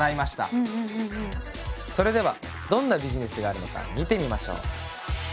それではどんなビジネスがあるのか見てみましょう！